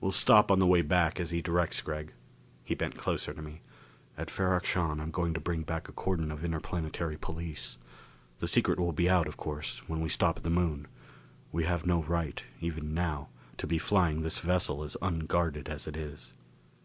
"We'll stop on the way back, as he directs, Gregg." He bent closer to me. "At Ferrok Shahn I'm going to bring back a cordon of Interplanetary Police. The secret will be out, of course, when we stop at the Moon. We have no right, even now, to be flying this vessel as unguarded as it is."